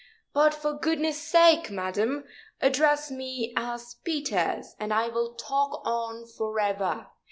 But for goodness' sake, madam, address me as Peters, and I will talk on forever.